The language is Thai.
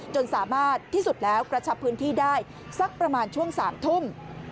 จนสามารถที่สุดแล้วกระชับพื้นที่ได้สักประมาณช่วง๓ทุ่ม